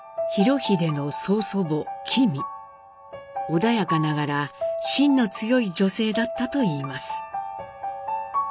穏やかながらしんの強い女性だったといいます。